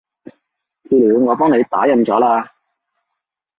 資料我幫你打印咗喇